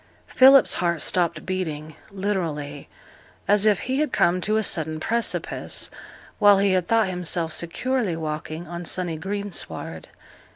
Philip's heart stopped beating; literally, as if he had come to a sudden precipice, while he had thought himself securely walking on sunny greensward.